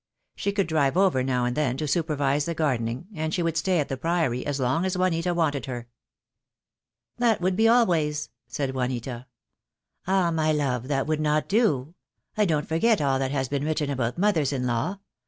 She could drive over now and then to supervise the gardening, and she would stay at the Priory as long as Juanita wanted her. "That would be always," said Juanita. "Ah, my love, that would not do. I don't forget all that has been written about mothers in law.